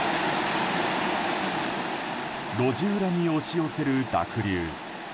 路地裏に押し寄せる濁流。